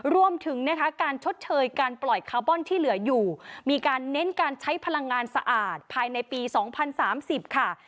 รวมถึงนะคะการชดเชยการปล่อยคาร์บอนที่เหลืออยู่มีการเน้นการใช้พลังงานสะอาดภายในปี๒๐๓๐ค่ะ